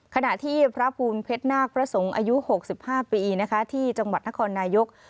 ขณะที่พระภูมิเพศร์หน้ากประสงค์อายุ๖๕ปีที่จังหวัดนครนายก